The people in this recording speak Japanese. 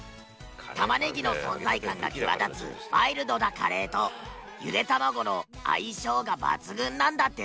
タマネギの存在感が際立つマイルドなカレーとゆで卵の相性が抜群なんだってさ